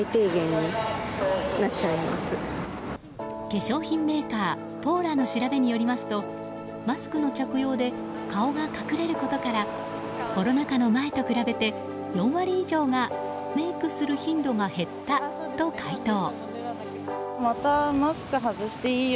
化粧品メーカーポーラの調べによりますとマスクの着用で顔が隠れることからコロナ禍の前と比べて４割以上がメイクする頻度が減ったと回答。